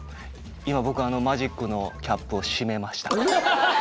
今僕マジックのキャップを閉めました。